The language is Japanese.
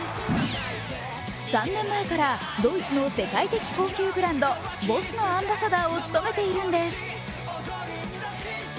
３年前からドイツの世界的高級ブランドＢＯＳＳのアンバサダーを務めているんです。